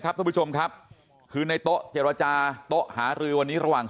ท่านผู้ชมครับคือในโต๊ะเจรจาโต๊ะหารือวันนี้ระหว่าง